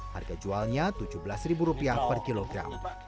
harga jualnya tujuh belas rupiah per kilogram